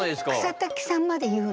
草滝さんまで言うの？